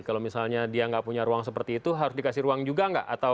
kalau misalnya dia nggak punya ruang seperti itu harus dikasih ruang juga nggak